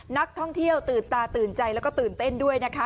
นักท่องเที่ยวตื่นตาตื่นใจแล้วก็ตื่นเต้นด้วยนะคะ